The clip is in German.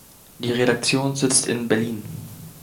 Die Redaktion sitzt in Berlin.